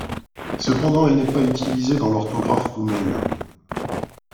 Cependant elle n’est pas utilisée dans l’orthographe roumaine.